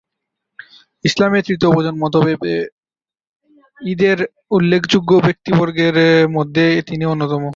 ইসলামের তৃতীয় প্রজন্ম তাবে-তাবেঈদের উল্লেখযোগ্য ব্যক্তিবর্গের মধ্যে তিনি অন্যতম।